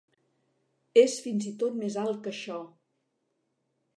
És fins i tot més alt que això.